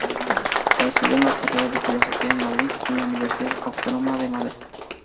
Estudió la carrera de Filosofía en Madrid, en la Universidad Autónoma de Madrid.